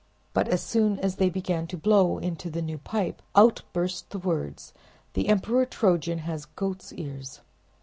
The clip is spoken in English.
But as soon as they began to blow into the new pipe, out burst the words: "The Emperor Trojan has goat's ears!"